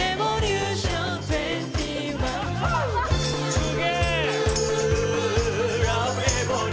すげえ！